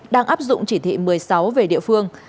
đang áp dụng chỉ thị một mươi sáu về địa phương